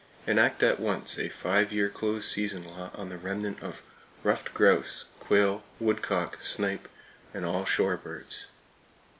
Enact at once a five year close season law on the remnant of ruffed grouse, quail, woodcock, snipe, and all shore birds.